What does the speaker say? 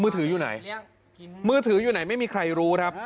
ถืออยู่ไหนมือถืออยู่ไหนไม่มีใครรู้ครับ